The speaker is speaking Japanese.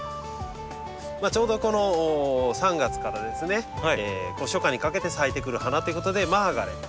ちょうどこの３月から初夏にかけて咲いてくる花っていうことで「マーガレット」。